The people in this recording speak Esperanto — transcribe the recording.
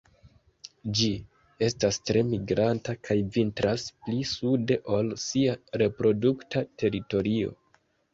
Ĝi estas tre migranta kaj vintras pli sude ol sia reprodukta teritorio.